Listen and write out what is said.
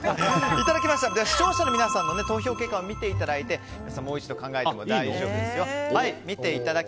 視聴者の皆さんの投票結果を見ていただいて皆さんもう一度考えても大丈夫ですよ。